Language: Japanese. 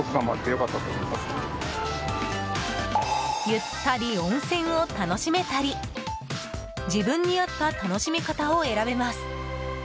ゆったり温泉を楽しめたり自分に合った楽しみ方を選べます。